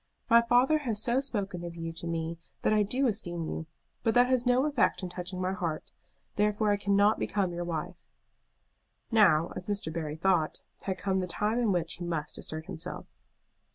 My father has so spoken of you to me that I do esteem you; but that has no effect in touching my heart, therefore I cannot become your wife." Now, as Mr. Barry thought, had come the time in which he must assert himself.